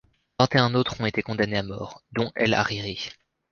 Vingt-et-un autres ont été condamnés à mort, dont El-Hariri.